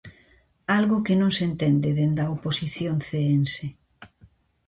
Algo que non se entende dende a oposición ceense.